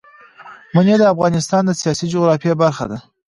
منی د افغانستان د سیاسي جغرافیه برخه ده.